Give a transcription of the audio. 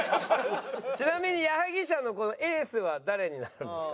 ちなみに矢作舎のエースは誰になるんですか？